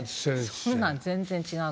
そんなん全然違うから。